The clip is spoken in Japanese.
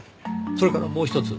それからもうひとつ。